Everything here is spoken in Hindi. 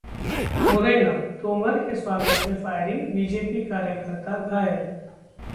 मुरैनाः तोमर के स्वागत में फायरिंग, बीजेपी कार्यकर्ता घायल